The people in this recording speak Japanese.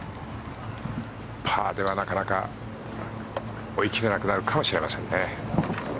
パーではなかなか追い切れなくなるかもしれませんね。